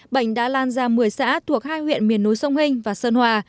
bệnh đã lan ra một mươi xã thuộc hai huyện miền núi sông hình và sơn hòa